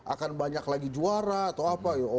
akan banyak lagi juara atau apa